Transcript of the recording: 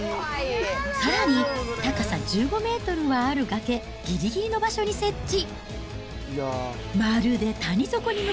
さらに、高さ１５メートルはある崖、ぎりぎりの場所に設置。